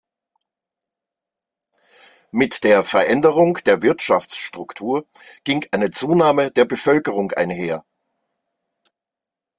Mit der Veränderung der Wirtschaftsstruktur ging eine Zunahme der Bevölkerung einher.